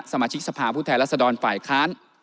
สมาชิกสภาพุทธแหละสะดอนฝ่ายค้าน